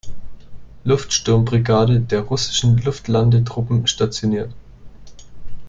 Luftsturm-Brigade" der russischen Luftlandetruppen stationiert.